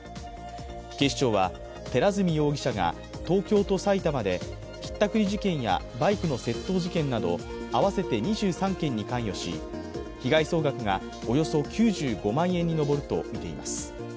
警視庁は寺墨容疑者が東京と埼玉でひったくり事件やバイクの窃盗事件などを合わせて２３件に関与し被害総額がおよそ９５万円に上るとみています。